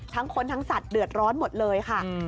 ทั้งคนทั้งสัตว์เดือดร้อนหมดเลยค่ะ